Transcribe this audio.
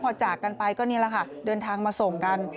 พอจากกันไปก็นี่แหละค่ะเดินทางมาส่งกัน